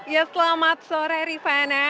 ya selamat sore rifana